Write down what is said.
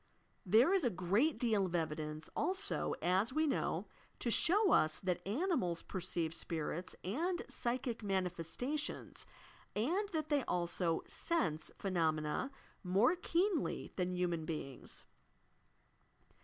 There is a great deal of evidence, also, as we know, to show us that animals perceive spirits and psychic manifestations, and that they also "sense" phenomena more keenly than human beings.